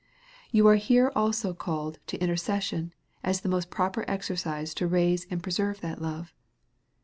You are here also call ed to intercession, as the most proper exercise to raise and preserve that love.